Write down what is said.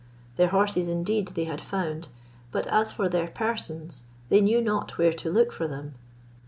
Their horses indeed they had found, but as for their persons, they knew not where to look for them.